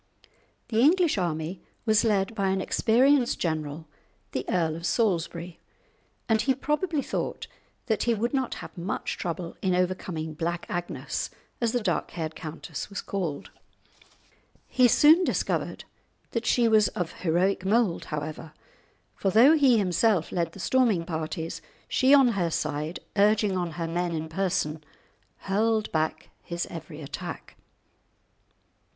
The English army was led by an experienced general, the Earl of Salisbury, and he probably thought that he would not have much trouble in overcoming "Black Agnes," as the dark haired countess was called. He soon discovered that she was of heroic mould, however, for though he himself led the storming parties, she on her side, urging on her men in person, hurled back his every attack.